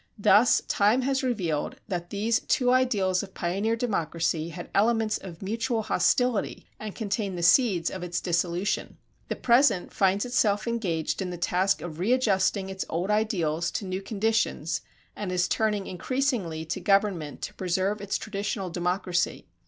Thus time has revealed that these two ideals of pioneer democracy had elements of mutual hostility and contained the seeds of its dissolution. The present finds itself engaged in the task of readjusting its old ideals to new conditions and is turning increasingly to government to preserve its traditional democracy.